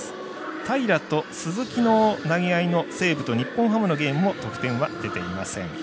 平良と鈴木の投げ合いの西武と日本ハムのゲームも得点は出ていません。